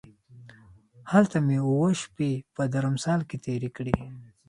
هلته مې اووه شپې په درمسال کې تېرې کړې.